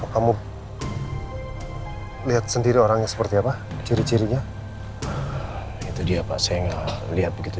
kamu lihat sendiri orangnya seperti apa ciri cirinya itu dia paseng lihat begitu